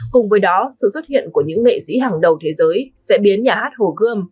cùng với đó sự xuất hiện của những nghệ sĩ hàng đầu thế giới sẽ biến nhà hát hồ gươm